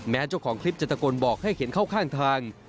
เจ้าของคลิปจะตะโกนบอกให้เห็นเข้าข้างทาง